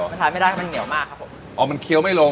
มันทานไม่ได้ครับมันเหนียวมากครับผมอ๋อมันเคี้ยวไม่ลง